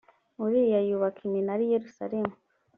uriya yubaka iminara i yerusalemu